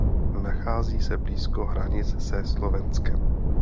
Nachází se blízko hranic se Slovenskem.